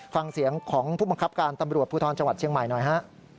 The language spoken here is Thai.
ฟังเสียงของผู้บังคับการตำรวจภูทรจังหวัดเชียงใหม่หน่อยฮะ